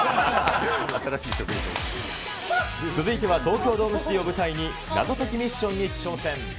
続いては東京ドームシティを舞台に、謎解きミッションに挑戦。